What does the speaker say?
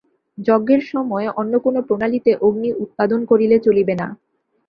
যজ্ঞের সময় অন্য কোন প্রণালীতে অগ্নি উৎপাদন করিলে চলিবে না।